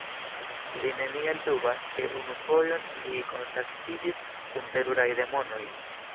Li neniel dubas, ke unu fojon li kontaktiĝis kun teruraj demonoj.